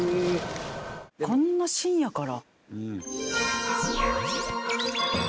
こんな深夜から。